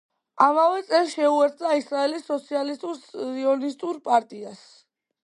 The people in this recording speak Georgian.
ამავე წელს შეუერთდა ისრაელის სოციალისტური სიონისტურ პარტიას.